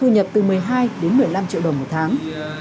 thu nhập từ một mươi hai đến một mươi năm triệu đồng một tháng